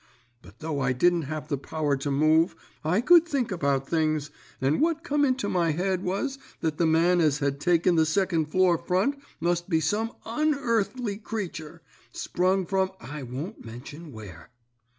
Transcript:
But though I didn't have the power to move, I could think about things, and what come into my head was that the man as had taken the second floor front must be some unearthly creature, sprung from I won't mention where.